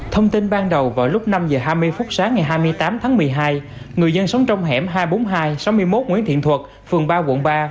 thông tin ban đầu vào lúc năm h hai mươi phút sáng ngày hai mươi tám tháng một mươi hai người dân sống trong hẻm hai trăm bốn mươi hai sáu mươi một nguyễn thiện thuật phường ba quận ba